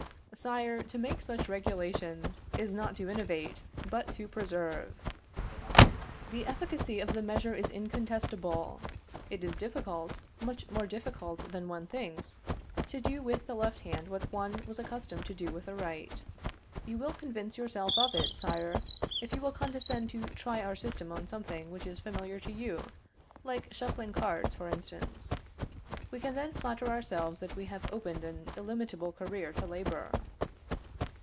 Sire, to make such regulations is not to innovate, but to preserve. The efficacy of the measure is incontestable. It is difficult much more difficult than one thinks to do with the left hand what one was accustomed to do with the right. You will convince yourself of it, Sire, if you will condescend to try our system on something which is familiar to you, like shuffling cards, for instance. We can then flatter ourselves that we have opened an illimitable career to labor.